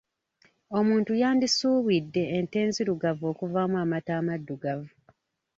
Omuntu yandisuubidde ente enzirugavu okuvaamu amata amaddugavu.